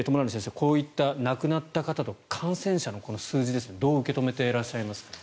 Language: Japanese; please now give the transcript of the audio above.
こういった亡くなった方と感染者の数字ですがどう受け止めていらっしゃいますか。